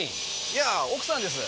いやぁ奥さんです。